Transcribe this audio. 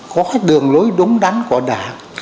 có đường lối đúng đắn của đảng